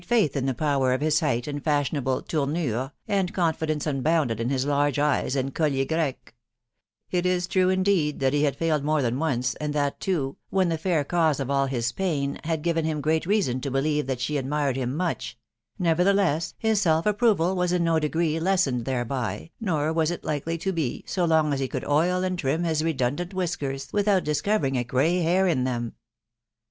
faith in the power of his height and fashionable tourmvr*, and confidence unbounded in his large eyes and ooOier Grec It is true, indeed, that he had failed more than one*, and tfcat too " when the fair cause of all hii pain" had gh*mi kim great reason to believe that she admired him nrada j in mlhihi his self approval was in no degree lessened thereby, nor was it likely to be, so long as he could oil and trim Ida ■■fl«iT™i whiskers without discovering a grey hair in them.